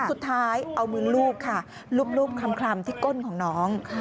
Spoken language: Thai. สุดท้ายเอามือลูบค่ะลูบคลำที่ก้นของน้อง